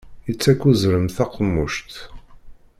Ittak uzrem taqemmuct.